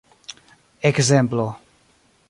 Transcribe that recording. ekzemplo